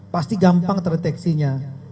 pasti gampang terdeteksinya